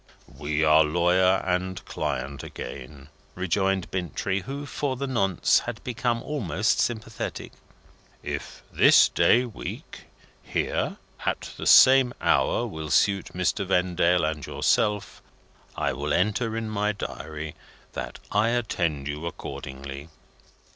"We are lawyer and client again," rejoined Bintrey, who, for the nonce, had become almost sympathetic. "If this day week here, at the same hour will suit Mr. Vendale and yourself, I will enter in my Diary that I attend you accordingly."